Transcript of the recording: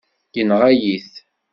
Yenɣa-yi-t.